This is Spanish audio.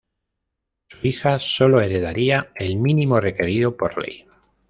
Su hija solo heredaría el mínimo requerido por ley.